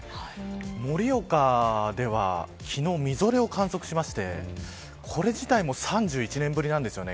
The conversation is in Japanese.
盛岡では昨日みぞれを観測しましてこれ自体も３１年ぶりなんですよね